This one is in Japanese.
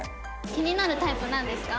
気になるタイプなんですか？